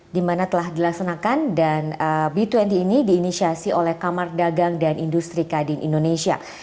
di mana telah dilaksanakan dan b dua puluh ini diinisiasi oleh kamar dagang dan industri kadin indonesia